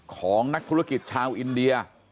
ของนักธุรกิจชาวอินเดีย